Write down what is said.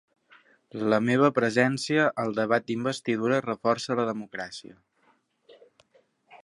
La meva presència al debat d'investidura reforça la democràcia.